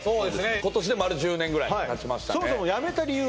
今年で丸１０年ぐらいたちましたね